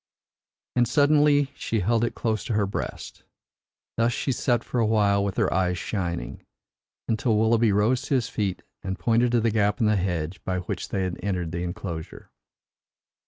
And suddenly she held it close to her breast. Thus she sat for a while with her eyes shining, until Willoughby rose to his feet and pointed to the gap in the hedge by which they had entered the enclosure.